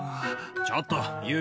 ちょっと。